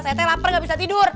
saya lapar tidak bisa tidur